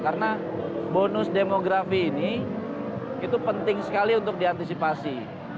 karena bonus demografi ini itu penting sekali untuk diantisipasi